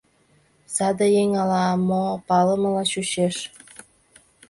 Саде еҥ ала-мо палымыла чучеш.